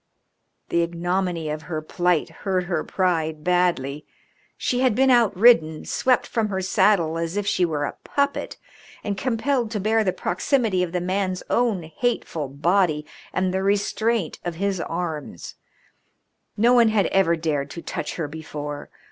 The ignominy of her plight hurt her pride badly. She had been outridden, swept from her saddle as if she were a puppet, and compelled to bear the proximity of the man's own hateful body and the restraint of his arms. No one had ever dared to touch her before.